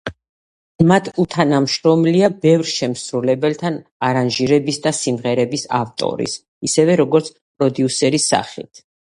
მას უთანამშრომლია ბევრ შემსრულებელთან არანჟირების და სიმღერების ავტორის, ისევე, როგორც პროდიუსერის სახით.